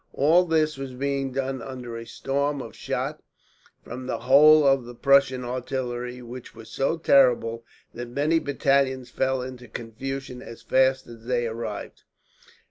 All this was being done under a storm of shot from the whole of the Prussian artillery, which was so terrible that many battalions fell into confusion as fast as they arrived.